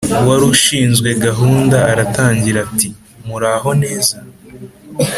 uwarushinzwe gahunda aratangira ati”muraho neza